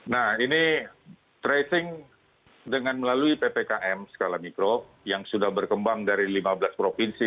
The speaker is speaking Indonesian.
nah ini tracing dengan melalui ppkm skala mikro yang sudah berkembang dari lima belas provinsi